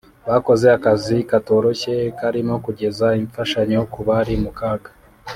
Bakoze akazi katoroshye karimo kugeza imfashanyo ku bari mu kaga